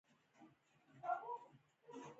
سبا سهار به د کب نیولو وضعیت څنګه وي